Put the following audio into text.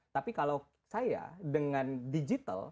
tapi kalau saya dengan digital